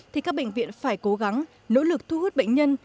thì các bệnh viện phải cố gắng nỗ lực thu hút bệnh nhân